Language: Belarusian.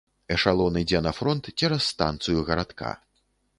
Эшалон ідзе на фронт цераз станцыю гарадка.